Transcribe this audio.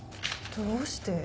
どうして？